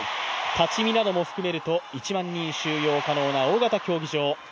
立ち見なども含めると１万人収容可能な大型競技場。